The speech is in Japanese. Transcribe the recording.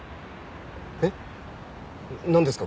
えっなんですか？